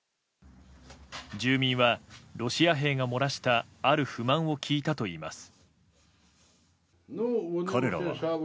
住民は、ロシア兵が漏らしたある不満を聞いたといいます。